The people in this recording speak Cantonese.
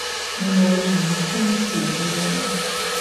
唔會令我輕視自己